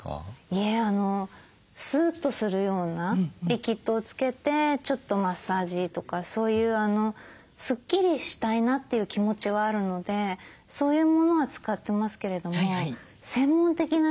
いえスーッとするようなリキッドをつけてちょっとマッサージとかそういうスッキリしたいなっていう気持ちはあるのでそういうものは使ってますけれども専門的な知識がいかんせんないですから。